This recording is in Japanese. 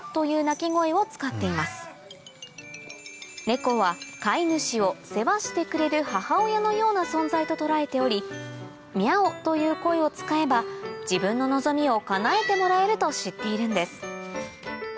ネコは飼い主を世話してくれる母親のような存在と捉えており「ミャオ」という声を使えば自分の望みをかなえてもらえると知っているんです